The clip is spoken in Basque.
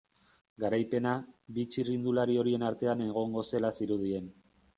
Garaipena, bi txirrindulari horien artean egongo zela zirudien.